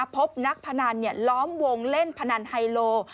พบนักพนันล้อมวงเล่นพนันไฮโล